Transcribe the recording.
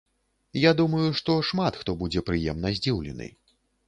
Я думаю, што шмат хто будзе прыемна здзіўлены.